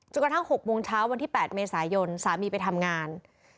กระทั่ง๖โมงเช้าวันที่๘เมษายนสามีไปทำงาน